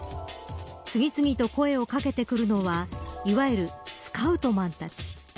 次々と声を掛けてくるのはいわゆるスカウトマンたち。